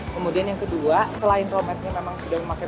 kemudian yang kedua selain rometnya memang sudah memakai